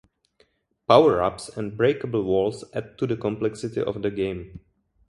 Power-ups and breakable walls add to the complexity of the game.